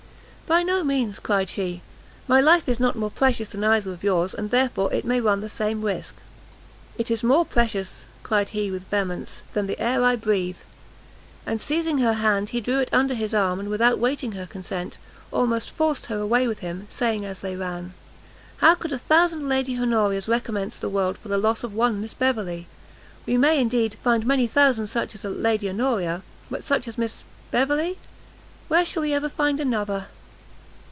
"By no means," cried she, "my life is not more precious than either of yours, and therefore it may run the same risk." "It is more precious," cried he with vehemence, "than the air I breathe!" and seizing her hand, he drew it under his arm, and, without waiting her consent, almost forced her away with him, saying as they ran, "How could a thousand Lady Honoria's recompense the world for the loss of one Miss Beverley? we may, indeed, find many thousand such as Lady Honoria, but such as Miss Beverley where shall we ever find another?"